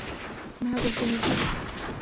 ভাগো, সুমিত্রা!